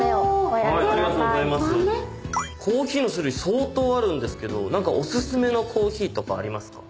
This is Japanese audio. コーヒーの種類相当あるんですけどお薦めのコーヒーありますか？